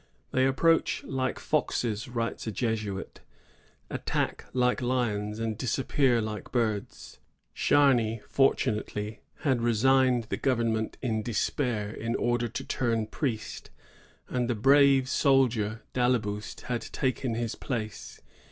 "They approach like foxes," writes a Jesuit, "attack like lions, and disappear like birds." Chamy, fortunately, had resigned the government in despair in order to turn priest, and the brave soldier d' Ailleboust had taken his place.